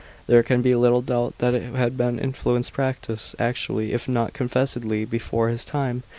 There can be little doubt that it had influenced practice, actually, if not confessedly, before his time.